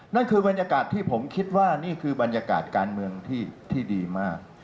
นั่นคือบรรยากาศที่ผมคิดว่านี่คือบรรยากาศการเมืองที่ดีมาก